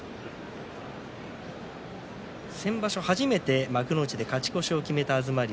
先場所、初めて幕内で勝ち越しを決めた東龍